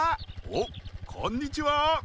おっこんにちは！